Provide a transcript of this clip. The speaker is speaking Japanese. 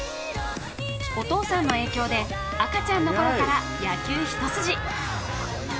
お父さんの影響で赤ちゃんのころから野球一筋。